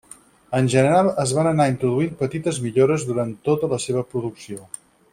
En general es van anar introduint petites millores durant tota la seva producció.